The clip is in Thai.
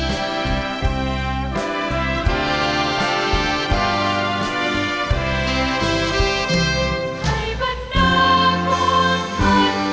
ขอบความจากฝ่าให้บรรดาดวงคันสุขสิทธิ์